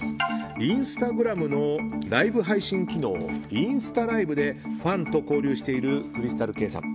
インスタグラムのライブ配信機能インスタライブでファンと交流しているＣｒｙｓｔａｌＫａｙさん。